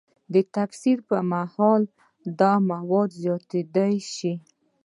د تکثر پر مهال دا مواد زیاتیدای شي.